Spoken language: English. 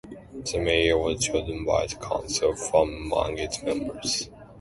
The mayor was chosen by the council from among its members.